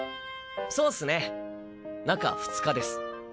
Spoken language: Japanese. そうスね中２日です。